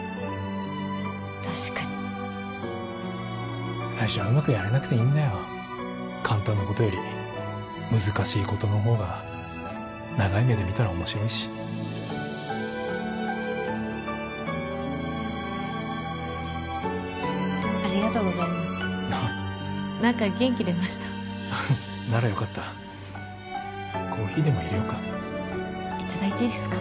確かに最初はうまくやれなくていいんだよ簡単なことより難しいことの方が長い目で見たら面白いしありがとうございます何か元気出ましたならよかったコーヒーでもいれようかいただいていいですか？